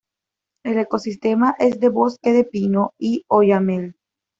El ecosistema es de bosque de pino y oyamel.